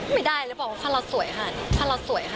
ไม่ได้เลยบอกว่าคนเราสวยค่ะคนเราสวยค่ะ